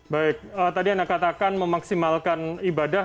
baik tadi anda katakan memaksimalkan ibadah